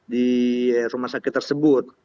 di rumah sakit tersebut